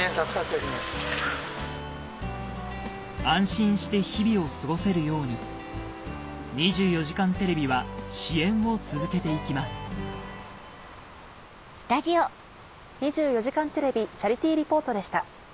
安心して日々を過ごせるように『２４時間テレビ』は支援を続けて行きます「２４時間テレビチャリティー・リポート」でした。